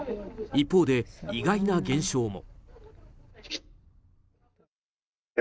一方で意外な現象も。